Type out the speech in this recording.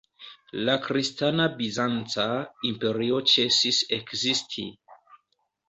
La kristana Bizanca imperio ĉesis ekzisti.